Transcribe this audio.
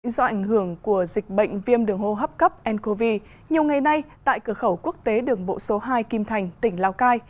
do ảnh hưởng của dịch bệnh viêm đường hô hấp cấp ncov nhiều ngày nay tại cửa khẩu quốc tế đường bộ số hai kim thành tỉnh lào cai